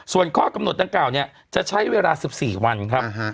ส่วนข้อกำหนดตั้งเก่าจะใช้เวลา๑๔วันครับ